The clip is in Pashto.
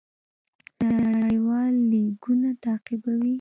دوی نړیوال لیګونه تعقیبوي.